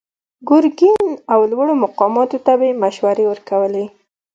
ګرګين او لوړو مقاماتو ته به يې مشورې ورکولې.